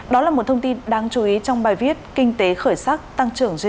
đó là một thông tin đáng chú ý trong bài viết kinh tế khởi sắc tăng trưởng gdp hai nghìn hai mươi hai